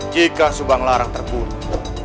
jika subanglar terbunuh